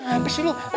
ampe sih lu